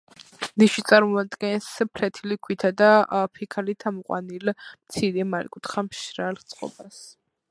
ნიში წარმოადგენს ფლეთილი ქვითა და ფიქალით ამოყვანილ მცირე მართკუთხა მშრალ წყობას.